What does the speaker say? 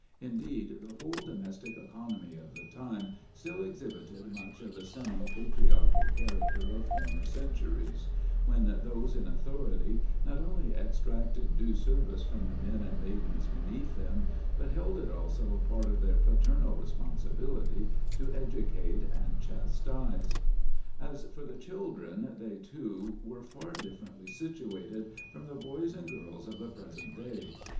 Indeed, the whole domestic economy of the time still exhibited much of the semi patriarchal character of former centuries, when those in authority not only exacted due service from the men and maidens beneath them, but held it also as part of their paternal responsibility to educate and chastise. As for the children, they too were far differently situated from the boys and girls of the present day.